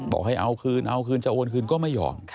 บอกให้เอาคืนเอาคืนจะโอนคืนก็ไม่ยอม